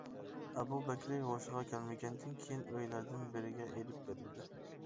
ئەبۇ بەكرى ھوشىغا كەلمىگەندىن كېيىن ئۆيلەردىن بىرىگە ئېلىپ بېرىلدى.